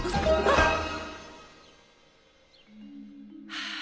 はあ。